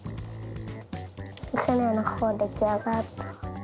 ふねのほうできあがった。